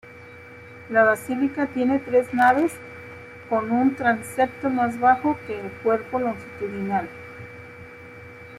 La basílica tiene tres naves con un transepto más bajo que el cuerpo longitudinal.